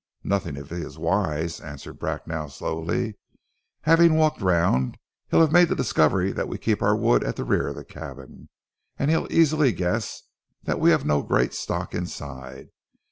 "Nothing, if he is wise," answered Bracknell slowly. "Having walked round he'll have made the discovery that we keep our wood at the rear of the cabin, and he'll easily guess that we have no great stock inside.